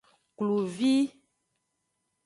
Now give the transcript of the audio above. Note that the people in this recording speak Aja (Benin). Kluvi.